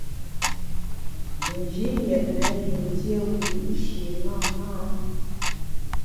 Nji yètne yin dié wiyi’shi ṅaṅâ.